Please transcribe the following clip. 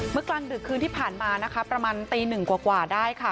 กลางดึกคืนที่ผ่านมานะคะประมาณตีหนึ่งกว่าได้ค่ะ